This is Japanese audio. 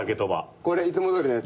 これいつもどおりのやつ。